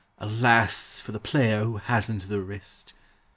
(Alas! for the player who hasn't the wrist!)